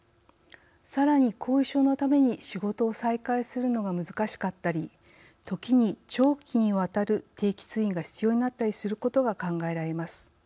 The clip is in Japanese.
さらに、後遺症のために仕事を再開するのが難しかったり時に長期にわたる定期通院が必要になったりすることが考えられます。